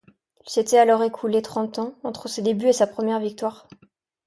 Il s'était alors écoulé trente ans, entre ses débuts et sa première victoire.